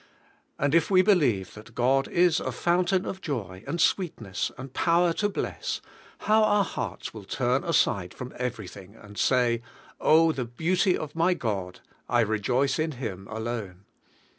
And if we believe that God is a fountain of joy, and sweetness, and power to bless, how our hearts will turn aside from every thing, and say: "Oh, the beauty of my God! I rejoice in Him alone."